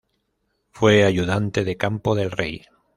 Fue Ayudante de Campo del Rey.